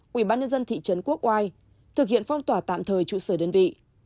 quỹ ban nhân dân thị trấn quốc oai thực hiện phong tỏa tạm thời trụ sở đơn vị